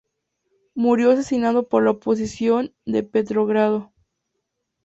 Murió asesinado por la Oposición de Petrogrado.